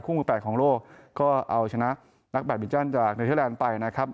คู่มือ๘ของโลกก็เอาชนะนักแบบบินตันจากเหนือเทศแรนด์ไปนะครับ